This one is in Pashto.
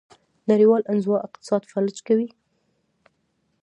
نړیوال انزوا اقتصاد فلج کوي.